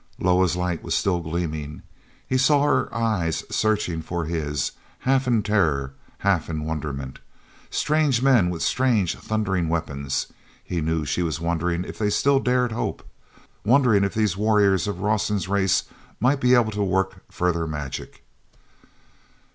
Loah's light was still gleaming. He saw her eyes searching for his, half in terror, half in wonderment. Strange men with strange thundering weapons—he knew she was wondering if they still dared hope, wondering if these warriors of Rawson's race might be able to work further magic.